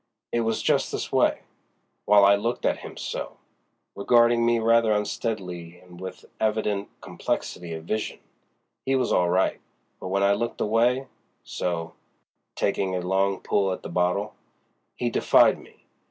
It was just this way: while I looked at him, so"—regarding me rather unsteadily and with evident complexity of vision—"he was all right; but when I looked away, so"—taking a long pull at the bottle—"he defied me.